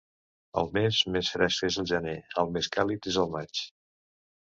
El mes més fresc és el gener; el més càlid és el maig.